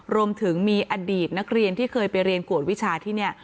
รวมถึงมีอดีตนักเรียนที่เคยไปเรียนกวดวิชาที่นี่